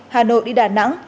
hà nội đi đà nẵng